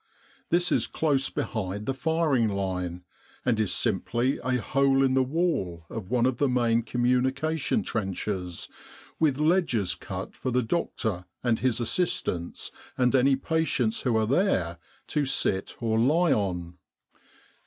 This is close behind the firing line, and is simply a hole in the wall of one of the main com munication trenches, with ledges cut for the doctor and his assistants and any patients who are there, to sit or lie on.